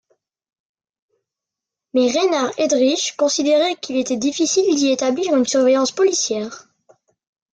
Mais Reinhard Heydrich considérait qu’il était difficile d’y établir une surveillance policière.